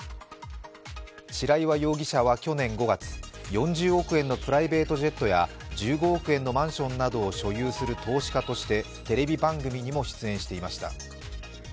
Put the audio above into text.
白岩容疑者は去年５月、４０億円のプライベートジェットや１５億円のマンションなどを所有する投資家としてテレビ番組にも出演していました。